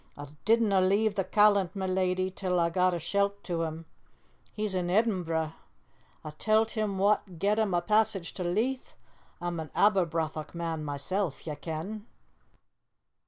A' didna' leave the callant, ma' leddy, till a' got a shelt to him. He's to Edinburgh. A' tell't him wha 'd get him a passage to Leith a'm an Aberbrothock man, mysel', ye ken."